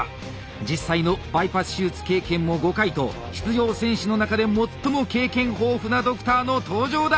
実際のバイパス手術経験も５回と出場選手の中で最も経験豊富なドクターの登場だ！